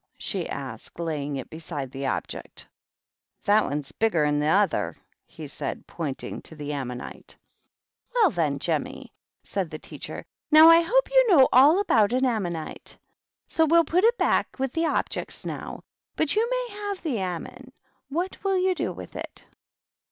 she asked, laying it beside the Object. " That one's bigger'n the other," he said, point ing to the ammonite. 250 THE GREAT OCCASION. " Well, then, Jemmy," said the teacher, " no¥ I hope you know all about an ammonite. So we'I put it back with the Objects, now. But you maj have the ammon. What will you do with it?"